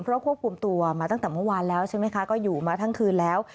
เพราะควบคุมตัวมาตั้งแต่เมื่อวานแล้วใช่ไหมคะก็อยู่มาทั้งคืนแล้ว